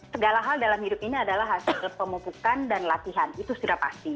segala hal dalam hidup ini adalah hasil pemupukan dan latihan itu sudah pasti